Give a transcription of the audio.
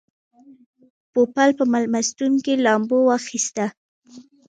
پوپل په مېلمستون کې لامبو واخیسته.